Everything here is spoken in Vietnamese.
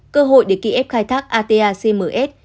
cơ hội để kiev khai thác ata cms